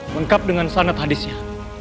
mengkap dengan sanat hadisnya